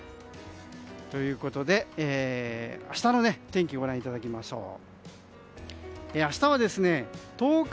ということで明日の天気をご覧いただきましょう。